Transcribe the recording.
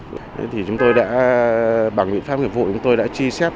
thế thì chúng tôi đã bằng biện pháp nghiệp vụ chúng tôi đã truy xét